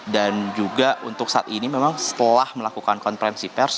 dan juga untuk saat ini memang setelah melakukan konfrensi pers